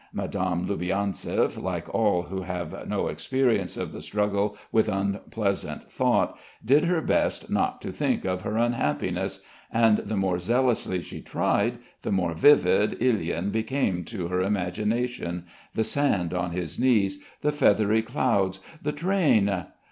Madame Loubianzev, like all who have no experience of the struggle with unpleasant thought, did her best not to think of her unhappiness, and the more zealously she tried, the more vivid Ilyin became to her imagination, the sand on his knees, the feathery clouds, the train....